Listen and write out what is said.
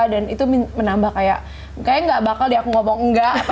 dan itu menambah kayak kayak gak bakal deh aku ngomong enggak